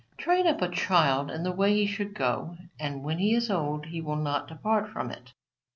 "Train up a child in the way he should go, and when he is old he will not depart from it."